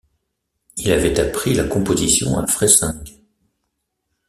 Il avait appris la composition à Freising.